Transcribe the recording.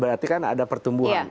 berarti kan ada pertumbuhan